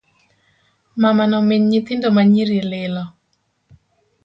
Mamano min nyithindo ma nyiri lilo.